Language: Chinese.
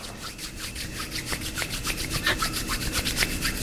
他在成化元年嗣封楚王。